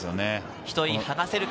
１人はがせるか。